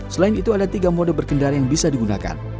selain itu ada tiga mode berkendara yang bisa digunakan